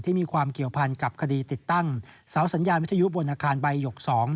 มีความเกี่ยวพันกับคดีติดตั้งเสาสัญญาณวิทยุบนอาคารใบหยก๒